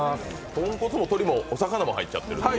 豚骨も鶏もお魚も入っちゃってる？